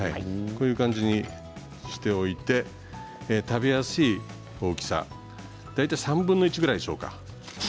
こういう感じにしておいて食べやすい大きさ大体３分の１ぐらいでしょうか。